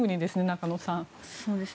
中野さん。